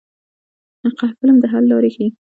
فلم د حل لارې ښيي